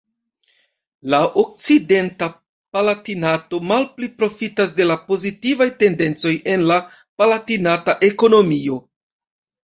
La okcidenta Palatinato malpli profitas de la pozitivaj tendencoj en la Palatinata ekonomio.